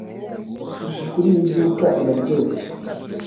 Sushi kuriyi duka iraryoshye.